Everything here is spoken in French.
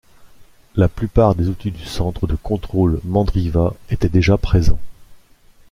La plupart des outils du Centre de Contrôle Mandriva étaient déjà présents.